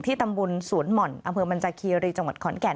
ตำบลสวนหม่อนอำเภอบรรจาคีรีจังหวัดขอนแก่น